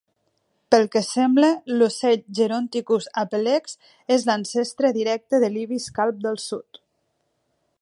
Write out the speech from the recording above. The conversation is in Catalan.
Pel que sembla l'ocell Geronticus apelex és l'ancestre directe de l'Ibis calb del sud.